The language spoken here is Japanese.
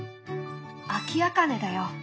アキアカネだよ。